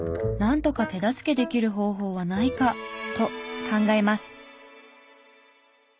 なんとか手助けできる方法はないか？と考えます。